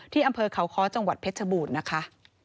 อำเภอเขาค้อจังหวัดเพชรบูรณ์นะคะ